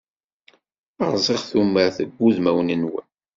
Rẓiɣ tumert deg wudmawen-nwen